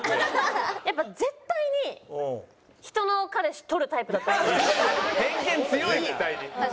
やっぱ絶対に人の彼氏取るタイプだと思うんですよ。